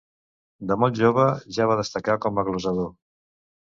De molt jove ja va destacar com a glosador.